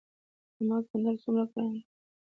خامک ګنډل څومره ګران دي؟